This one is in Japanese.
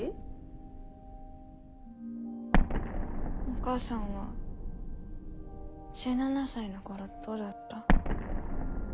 お母さんは１７才の頃どうだった？